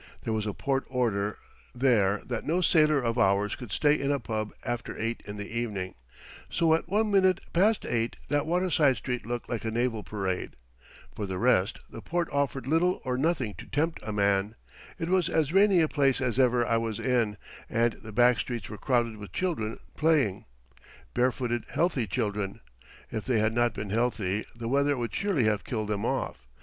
There was a port order there that no sailor of ours could stay in a pub after eight in the evening, so at one minute past eight that waterside street looked like a naval parade. For the rest the port offered little or nothing to tempt a man. It was as rainy a place as ever I was in, and the back streets were crowded with children playing. Barefooted, healthy children! If they had not been healthy the weather would surely have killed them off.